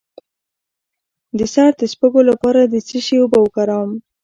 د سر د سپږو لپاره د څه شي اوبه وکاروم؟